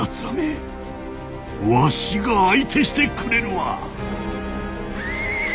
らめわしが相手してくれるわ！